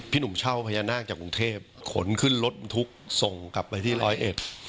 หนุ่มเช่าพญานาคจากกรุงเทพขนขึ้นรถบรรทุกส่งกลับไปที่ร้อยเอ็ด